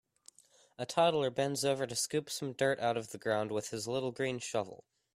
A toddler bends over to scoop some dirt out of the ground with his little green shovel.